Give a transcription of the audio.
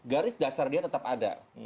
garis dasar dia tetap ada